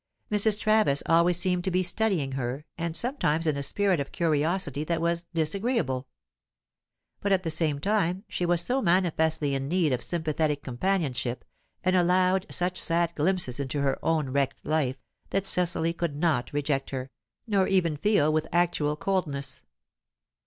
Mrs. Travis always seemed to be studying her, and sometimes in a spirit of curiosity that was disagreeable. But at the same time she was so manifestly in need of sympathetic companionship, and allowed such sad glimpses into her own wrecked life, that Cecily could not reject her, nor even feel with actual coldness.